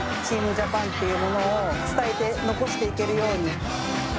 ジャパンっていうものを伝えて、残していけるように。